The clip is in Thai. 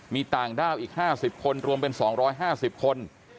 มีต่างด้าวอีก๕๐คนรวมเป็น๒๕๐คน